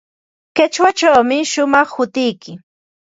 Qichwachawmi shumaq hutiyki.